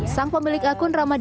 sang pemilik akun rambutnya